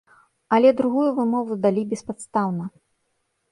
Але другую вымову далі беспадстаўна.